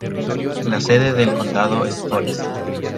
La sede del condado es Forest.